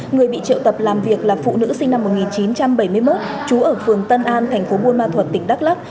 người bị triệu tập làm việc là phụ nữ sinh năm một nghìn chín trăm bảy mươi một trú ở phường tân an thành phố buôn ma thuật tỉnh đắk lắc